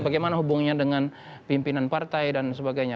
bagaimana hubungannya dengan pimpinan partai dan sebagainya